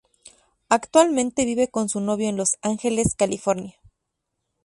Actualmente vive con su novio en Los Ángeles, California.